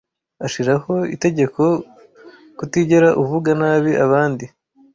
Ashiraho itegeko kutigera uvuga nabi abandi.